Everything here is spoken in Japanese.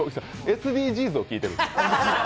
ＳＤＧｓを聞いてるんです。